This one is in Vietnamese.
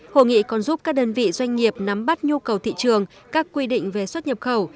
hội nghị còn giúp các đơn vị doanh nghiệp nắm bắt nhu cầu thị trường các quy định về xuất nhập khẩu